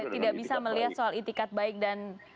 tidak bisa melihat soal itikat baik dan